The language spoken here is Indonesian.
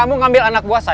kamu ngambil anak buah saya